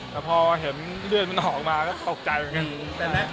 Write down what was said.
แต่พอเห็นเลือดมันออกมาก็ตกใจเหมือนกัน